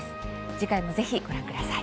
次回もぜひご覧ください。